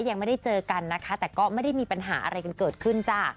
ยังไม่ได้เจอกันนะคะแต่ก็ไม่ได้มีปัญหาอะไรกันเกิดขึ้นจ้ะ